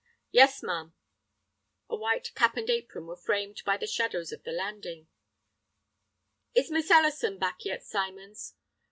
"Yes, ma'am." A white cap and apron were framed by the shadows of the landing. "Is Miss Ellison back yet, Symons?"